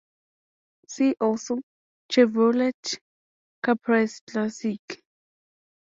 "See also: Chevrolet Caprice Classic"